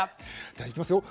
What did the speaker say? ではいきますよ。